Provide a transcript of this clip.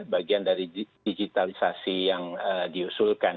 bagian dari digitalisasi yang diusulkan